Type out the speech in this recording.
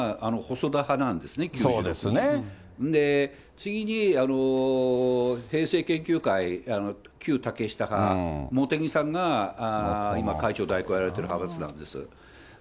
次に平成研究会、旧竹下派、茂木さんが今会長代行をやられてる派閥なんです。